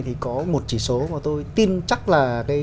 thì có một chỉ số mà tôi tin chắc là